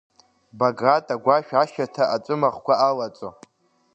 Баграт агәашә ашьаҭа аҵәымыӷқәа алаҵо.